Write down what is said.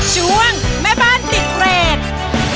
ช่วงแม่บ้านติดเรท